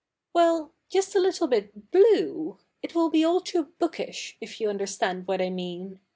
'Well, just a little bit blue. It will be all too bookish, if you understand what I mean.